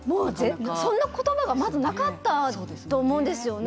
そんな言葉がまずなかったと思うんですね。